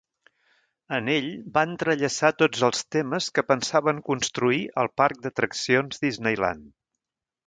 En ell, va entrellaçar tots els temes que pensaven construir al parc d'atraccions Disneyland.